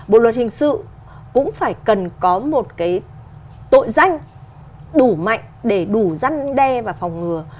bộ luật hình sự cũng phải cần có một cái tội danh đủ mạnh để đủ răn đe và phòng ngừa